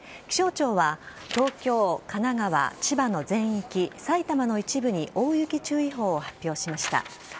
気象庁は東京、神奈川、千葉の全域埼玉の一部に大雪注意報を発表しました。